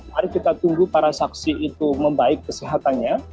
mari kita tunggu para saksi itu membaik kesehatannya